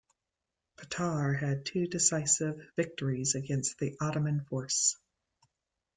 Petar had two decisive victories against the Ottoman force.